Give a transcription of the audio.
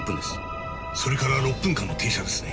それから６分間の停車ですね？